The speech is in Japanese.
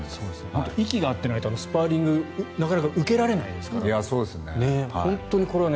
本当に息が合っていないとスパーリングなかなか受けられないですから。